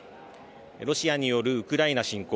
ロシアによるウクライナ侵攻